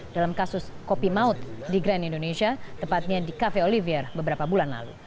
dalam kasus kopi maut di grand indonesia tepatnya di cafe olivier beberapa bulan lalu